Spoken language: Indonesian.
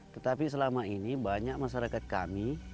tetapi selama ini banyak masyarakat kami